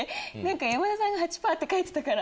山田さんが８％って書いてたから。